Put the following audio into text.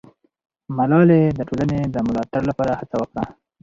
ملالۍ د ټولنې د ملاتړ لپاره هڅه وکړه.